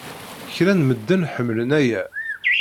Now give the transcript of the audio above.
Kra n medden ḥemmlen aya.